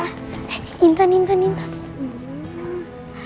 eh intan intan intan